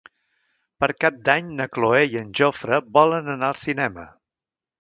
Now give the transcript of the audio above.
Per Cap d'Any na Cloè i en Jofre volen anar al cinema.